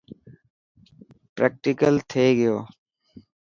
پريڪٽيڪل ٿئي گيو.